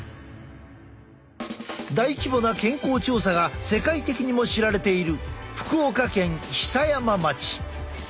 大規模な健康調査が世界的にも知られている福岡県久山町。